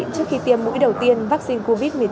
trước khi tiêm mũi đầu tiên vaccine covid một mươi chín